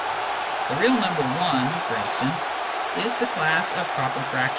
The real number i, for instance, is the class of proper fractions.